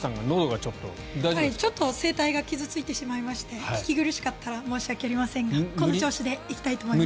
ちょっと声帯が傷付いてしまいまして聞き苦しかったら申し訳ありませんがこの調子で行きたいと思います。